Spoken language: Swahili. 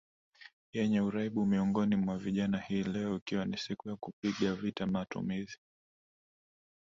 yenye uraibu miongoni mwa vijanaHii leo ikiwa ni siku ya kupiga vita matumizi